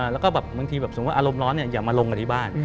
แล้วก็บางทีสมมุติว่าอารมณ์ร้อนอย่ามาลงกับที่บ้าน